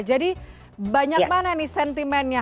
jadi banyak mana nih sentimennya